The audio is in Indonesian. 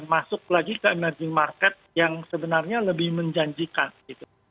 masuk lagi ke emerging market yang sebenarnya lebih menjanjikan gitu